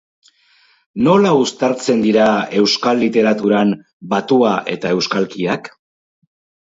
Nola uztartzen dira euskal literaturan batua eta euskalkiak?